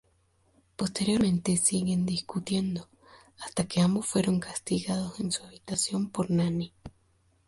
Posteriormente, siguen discutiendo hasta que ambos fueron castigados en su habitación por Nani.